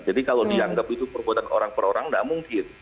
jadi kalau dianggap itu perbuatan orang orang tidak mungkin